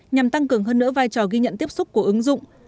nhằm tăng cường hơn nữa vai trò ghi nhận tiếp xúc của ứng dụng